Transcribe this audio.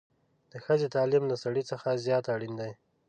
د ښځې تعليم له سړي څخه زيات اړين دی